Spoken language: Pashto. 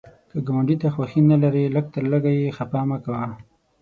که ګاونډي ته خوښي نه لرې، لږ تر لږه یې خفه مه کوه